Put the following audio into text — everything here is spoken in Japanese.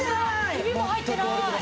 ひびも入ってない！